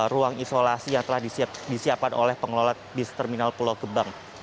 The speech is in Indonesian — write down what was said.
ruang isolasi yang telah disiapkan oleh pengelola bis terminal pulau gebang